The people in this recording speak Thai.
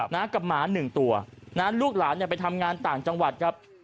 นะกับหมาหนึ่งตัวนะลูกหลานเนี่ยไปทำงานต่างจังหวัดครับ